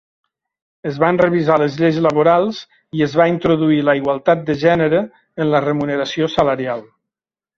Es van revisar les lleis laborals i es va introduir la igualtat de gènere en la remuneració salarial.